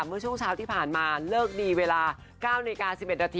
เมื่อช่วงเช้าที่ผ่านมาเลิกดีเวลา๙น๑๑น